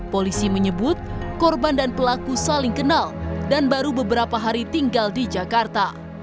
polisi menyebut korban dan pelaku saling kenal dan baru beberapa hari tinggal di jakarta